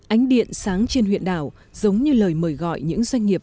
ánh điện sáng trên huyện đảo giống như lời mời gọi những doanh nghiệp